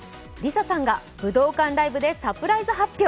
ＬｉＳＡさんが武道館ライブでサプライズ発表。